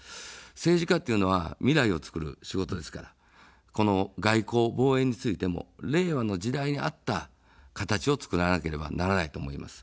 政治家というのは未来をつくる仕事ですから、この外交、防衛についても令和の時代に合った形をつくらなければならないと思います。